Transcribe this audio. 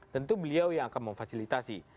tentu beliau yang akan memfasilitasi